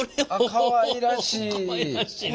かわいらしいね。